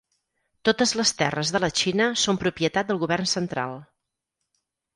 Totes les terres de la Xina són propietat del govern central.